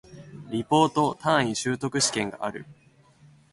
リポート、単位習得試験がある